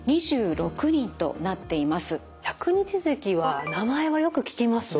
百日ぜきは名前はよく聞きますね。